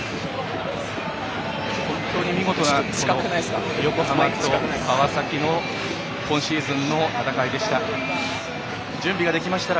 本当に見事な横浜と川崎の今シーズンの戦いでした。